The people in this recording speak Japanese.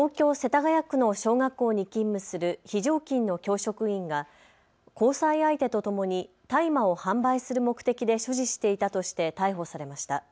東京世田谷区の小学校に勤務する非常勤の教職員が交際相手とともに大麻を販売する目的で所持していたとして逮捕されました。